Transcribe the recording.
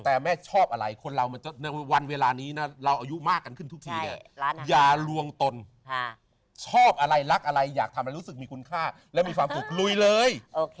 แต่แม่ชอบอะไรคนเราในวันเวลานี้นะเราอายุมากกันขึ้นทุกทีเนี่ยอย่าลวงตนชอบอะไรรักอะไรอยากทำอะไรรู้สึกมีคุณค่าและมีความสุขลุยเลย